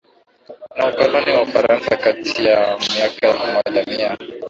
na ukoloni wa Ufaransa kati ya miaka elfu Moja Mia